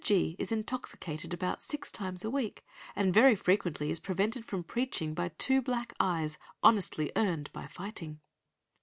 G. is intoxicated about six times a week, and very frequently is prevented from preaching by two black eyes, honestly earned by fighting."